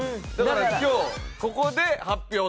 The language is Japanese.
今日ここで発表と。